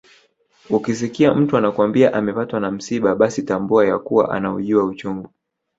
Ukisikia mtu anakwambia amepatwa na msiba basi tambua ya kuwa anaujua uchungu